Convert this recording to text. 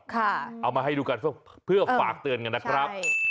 เอามาให้ดูกันเพื่อฝากเตือนกันนะครับ